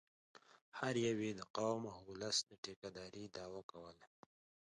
هر یوه یې د قام او اولس د ټیکه دارۍ دعوه کوله.